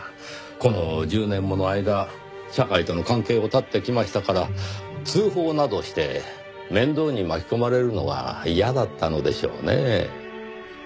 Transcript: この１０年もの間社会との関係を絶ってきましたから通報などして面倒に巻き込まれるのは嫌だったのでしょうねぇ。